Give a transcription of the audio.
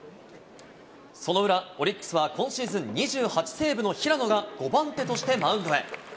その裏、オリックスは、今シーズン２８セーブの平野が５番手としてマウンドへ。